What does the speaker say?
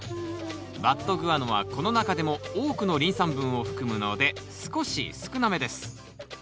バットグアノはこの中でも多くのリン酸分を含むので少し少なめです